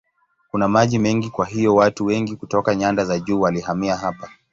Kuna maji mengi kwa hiyo watu wengi kutoka nyanda za juu walihamia hapa.